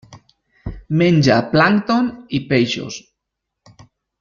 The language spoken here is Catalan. Menja plàncton i peixos.